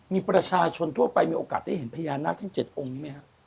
มีประชาชนทั่วไปมีโอกาสได้เห็นพญานาคทั้ง๗องค์ไหมครับ